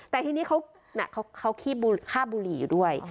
แต่ทีนี้เขาขี้ค่าบุหรี่อยู่ด้วย